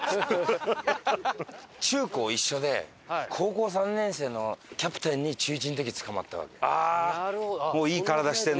中高一緒で高校３年生のキャプテンに中１の時捕まったわけよ。